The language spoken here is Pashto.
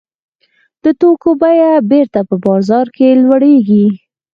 د توکو بیه بېرته په بازار کې لوړېږي